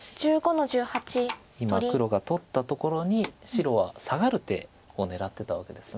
今黒が取ったところに白はサガる手を狙ってたわけです。